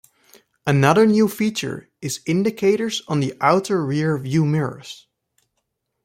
Another new feature is indicators on the Outer Rear View Mirrors.